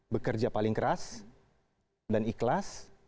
bekerja paling keras dan ikhlas